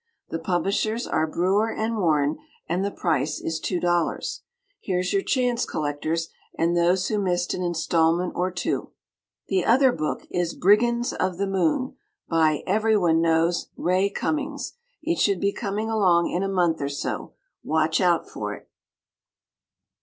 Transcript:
The publishers are Brewer and Warren, and the price is $2.00. Here's your chance, collectors, and those who missed an instalment or two. The other book is "Brigands of the Moon," by everyone knows Ray Cummings. It should be coming along in a month or so. Watch out for it!